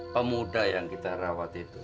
pemuda yang kita rawati